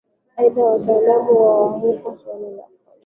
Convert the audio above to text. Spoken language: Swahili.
Aidha wataalamu hawa hawakuho suala la kufanana